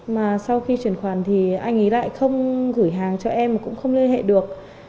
mà sau khi chuyển khoản thì anh ấy lại không gửi hàng cho em mà cũng không liên hệ được